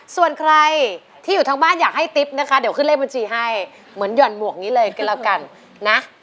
ส่วนใครที่อยู่ทางบ้านอยากให้ติ๊บนะคะเดี๋ยวขึ้นเลขบัญชีให้เหมือนห่อนหมวกนี้เลยก็แล้วกันนะ